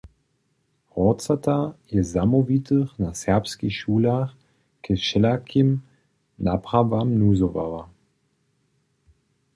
Horcota je zamołwitych na serbskich šulach k wšelakim naprawam nuzowała.